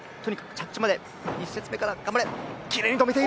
着地まで１節目から飛び込め。